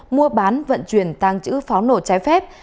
mua bán vận chuyển tăng trữ pháo nổ trái phép